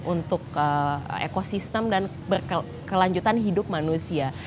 untuk ekosistem dan berkelanjutan hidup manusia